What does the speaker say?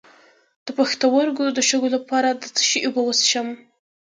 د پښتورګو د شګو لپاره د څه شي اوبه وڅښم؟